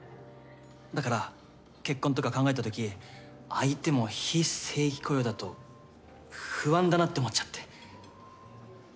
だから結婚とか考えたとき相手も非正規雇用だと不安だなって思っちゃって。